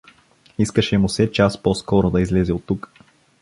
Искаше му се час по-скоро да излезе оттук.